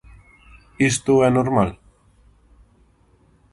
Isto é normal?